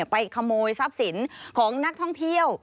ไปขโมยทรัพย์สินของนักท่องเที่ยว